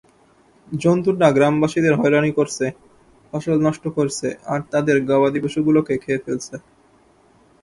জন্তুটা গ্রামবাসীদের হয়রানি করছে, ফসল নষ্ট করছে আর তাদের গবাদিপশুগুলোকে খেয়ে ফেলছে।